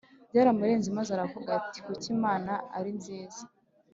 Byaramurenze maze aravuga ati kuki Imana ari nziza